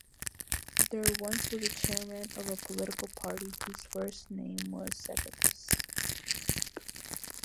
There once was a chairman of a political party whose first name was Secondus.